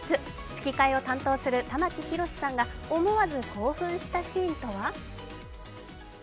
吹き替えを担当する玉木宏さんが思わず興奮したシーンとは？